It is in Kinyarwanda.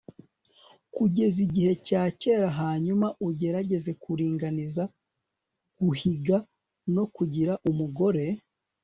kugeza igihe cyakera hanyuma ugerageze kuringaniza guhiga no kugira umugore